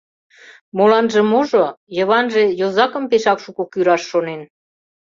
Моланже-можо, Йыванже йозакым пешак шуко кӱраш шонен.